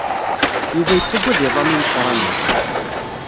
Yuba yettagad iḍan imeqranen.